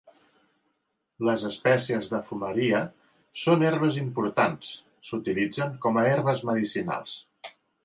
Les espècies de Fumaria són herbes importants, s'utilitzen com herbes medicinals.